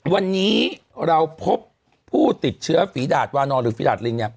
วันนี้เราพบผู้ติดเชื้อฝีดาดวานอนหรือฝีดาดลิง